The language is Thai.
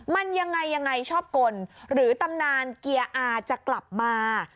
มันยังไงยังไงชอบกลหรือตำนานเกียร์อาจะกลับมา